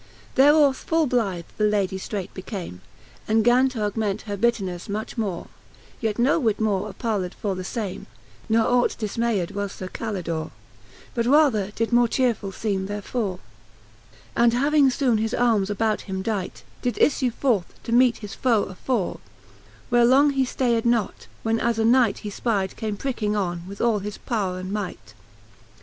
XXXII. ^Thereof fuU blyth the Lady ftreight became. And gan t'augpient her bitternefle much more: Yet no whit more appalled for the fame, Ne ought difmayed was Sir Calidore^ But rather did more chearef^ll feeme therefore, And having foone his armes about him dight, Did iflue forth, to meete his foe afore; Where long he ftayed not, when jas a Knight He fpide come pricking on with al his powre and might XXXIII.